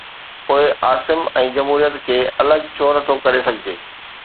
پوءِ عاصم ۽ جمهوريت کي الڳ ڇو نٿو ڪري سگهجي؟